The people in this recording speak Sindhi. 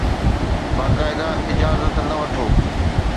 باقاعده اجازت نه وٺو